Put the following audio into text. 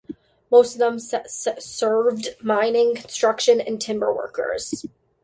Most of them served mining, construction, and timber works.